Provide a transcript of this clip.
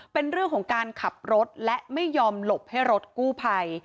เป็นเรื่องของการขับรถและไม่ยอมหลบให้รถกู้ภัย